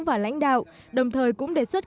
và lãnh đạo đồng thời cũng đề xuất